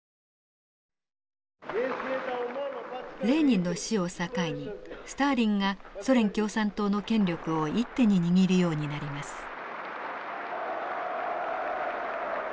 レーニンの死を境にスターリンがソ連共産党の権力を一手に握るようになります。